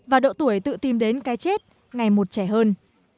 và độ tuổi tự tìm đến cái chết ngày một trẻ hơn